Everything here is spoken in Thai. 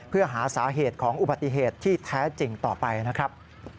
เพื่อหาสาเหตุของอุบัติเหตุที่แท้จริงต่อไปนะครับ